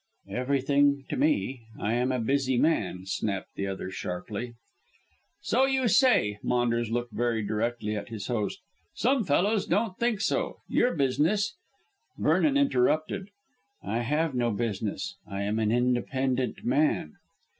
"Everything to me. I am a busy man," snapped the other sharply. "So you say." Maunders looked very directly at his host. "Some fellows don't think so. Your business " Vernon interrupted. "I have no business; I am an independent man."